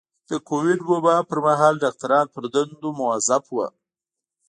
د کوويډ وبا پر مهال ډاکټران پر دندو مؤظف وو.